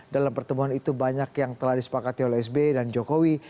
dalam pertemuan itu banyak yang telah disepakati oleh sb dan jokowi